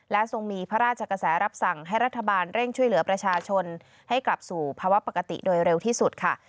ทรงมีพระราชกระแสรับสั่งให้รัฐบาลเร่งช่วยเหลือประชาชนให้กลับสู่ภาวะปกติโดยเร็วที่สุดค่ะ